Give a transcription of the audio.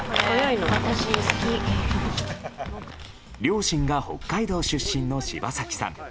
両親が北海道出身の柴咲さん。